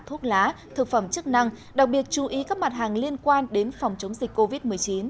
thuốc lá thực phẩm chức năng đặc biệt chú ý các mặt hàng liên quan đến phòng chống dịch covid một mươi chín